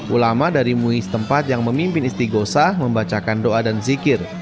ulama dari muis tempat yang memimpin isti gosah membacakan doa dan zikir